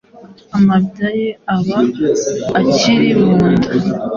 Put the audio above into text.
amabya ye aba akiri mu nda,